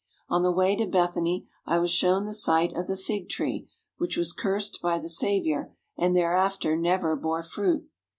On the way to Bethany I was shown the site of the fig tree which was cursed by the Saviour and thereafter never bore fruit.